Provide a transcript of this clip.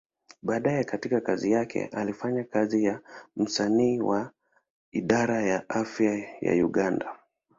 Baadaye katika kazi yake, alifanya kazi kama msanii wa Idara ya Afya ya Uganda.